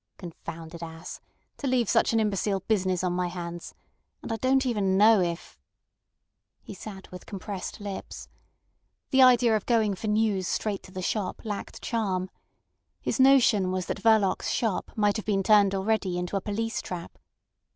"Confounded ass! To leave such an imbecile business on my hands. And I don't even know if—" He sat with compressed lips. The idea of going for news straight to the shop lacked charm. His notion was that Verloc's shop might have been turned already into a police trap.